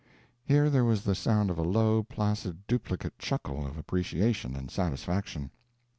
Here there was the sound of a low, placid, duplicate chuckle of appreciation and satisfaction.